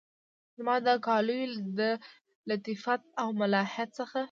زما د کالیو د لطافت او ملاحت څخه